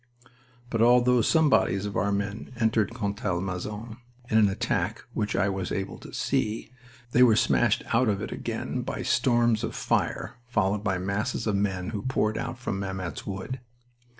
But although some bodies of our men entered Contalmaison, in an attack which I was able to see, they were smashed out of it again by storms of fire followed by masses of men who poured out from Mametz Wood.